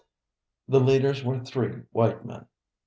The leaders were three white men.